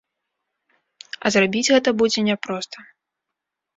А зрабіць гэта будзе няпроста.